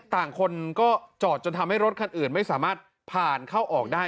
ต่างคนก็จอดจนทำให้รถคันอื่นไม่สามารถผ่านเข้าออกได้